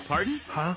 はあ？